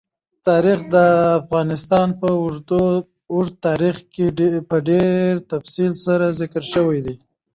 تاریخ د افغانستان په اوږده تاریخ کې په ډېر تفصیل سره ذکر شوی دی.